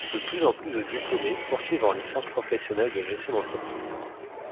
De plus en plus de diplômés poursuivent en licence professionnelle de gestion d'entreprise.